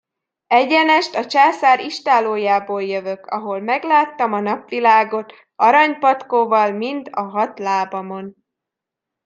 Egyenest a császár istállójából jövök, ahol megláttam a napvilágot, aranypatkóval mind a hat lábamon.